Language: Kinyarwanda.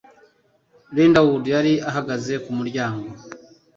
Linda Wood yari ahagaze ku muryango.